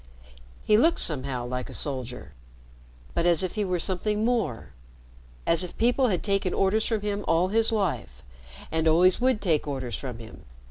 He looked, somehow, like a soldier, but as if he were something more as if people had taken orders from him all his life, and always would take orders from him.